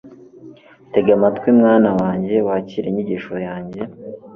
tega amatwi, mwana wanjye, wakire inyigisho yanjye